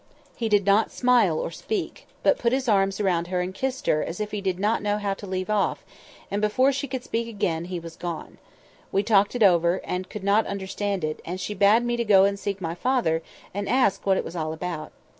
He did not smile or speak, but put his arms round her and kissed her as if he did not know how to leave off; and before she could speak again, he was gone. We talked it over, and could not understand it, and she bade me go and seek my father, and ask what it was all about.